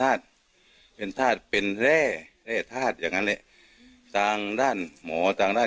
แล้วท่านผู้ชมครับบอกว่าตามความเชื่อขายใต้ตัวนะครับ